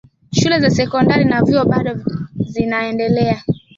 shule za sekondari na vyuo bado zinaendelea